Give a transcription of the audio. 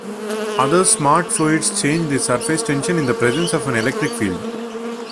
Other smart fluids change their surface tension in the presence of an electric field.